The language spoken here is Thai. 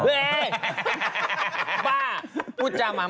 เฮ้ยบ้ากูจ่าหมา